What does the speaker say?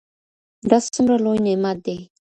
دا څومره لوی نعمت دی.